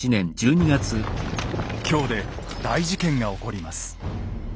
京で大事件が起こります。